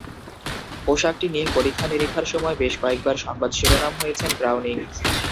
পোশাকটি নিয়ে পরীক্ষা নিরীক্ষার সময় বেশ কয়েকবারই সংবাদ শিরোনাম হয়েছেন ব্রাউনিং।